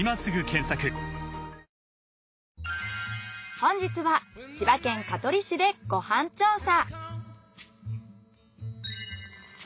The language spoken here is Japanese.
本日は千葉県香取市でご飯調査。